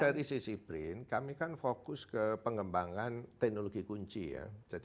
dari sisi brin kami kan fokus ke pengembangan teknologi kunci ya